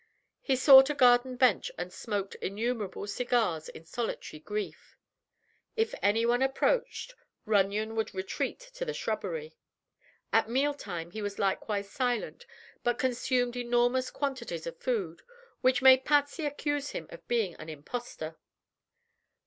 He sought a garden bench and smoked innumerable cigars in solitary grief. If anyone approached, Runyon would retreat to the shrubbery. At mealtime he was likewise silent but consumed enormous quantities of food, which made Patsy accuse him of being an impostor.